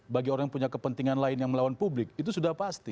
bagi orang yang punya kepentingan lain yang melawan publik itu sudah pasti